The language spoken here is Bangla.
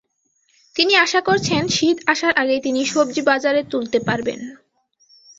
তিনি আশা করছেন, শীত আসার আগেই তিনি সবজি বাজারে তুলতে পারবেন।